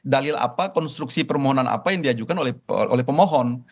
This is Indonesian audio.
dalil apa konstruksi permohonan apa yang diajukan oleh pemohon